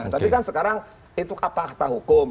tapi kan sekarang itu apa fakta hukum